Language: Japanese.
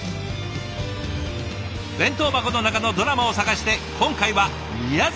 弁当箱の中のドラマを探して今回は宮崎へ。